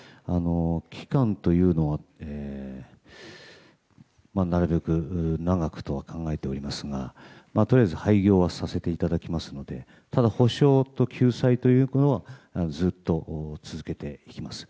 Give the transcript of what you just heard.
期間というのはなるべく長くとは考えていますがとりあえず廃業はさせていただきますのでただ、補償と救済というのはずっと続けていきます。